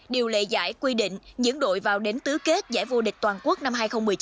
điều lệ giải quy định những đội vào đến tứ kết giải vô địch toàn quốc năm hai nghìn một mươi chín